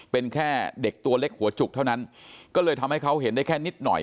เป็นแค่เด็กตัวเล็กหัวจุกเท่านั้นก็เลยทำให้เขาเห็นได้แค่นิดหน่อย